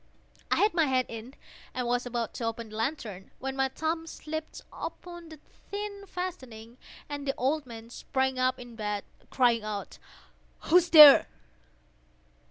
I had my head in, and was about to open the lantern, when my thumb slipped upon the tin fastening, and the old man sprang up in bed, crying out—"Who's there?"